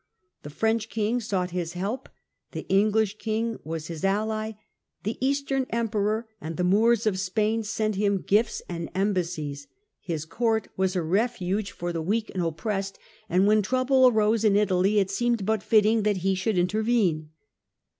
The French king sought his help ; the English king was his ally ; the eastern Emperor and the Moors of Spain sent him gifts and embassies. His court was a refuge for the B THE SAXON EMPERORS 11 oppressed, and when trouble arose in Italy it seemed but fitting that he should intervene.